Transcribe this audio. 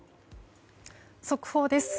速報です。